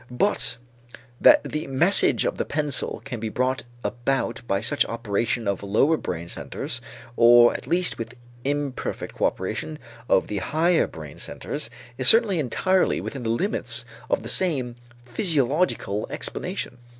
But that the message of the pencil can be brought about by such operation of lower brain centers, or at least with imperfect coöperation of the higher brain centers, is certainly entirely within the limits of the same physiological explanation.